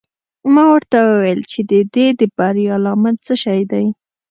ما ورته وویل چې د دې د بریا لامل څه شی دی.